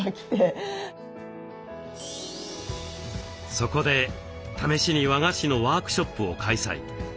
そこで試しに和菓子のワークショップを開催。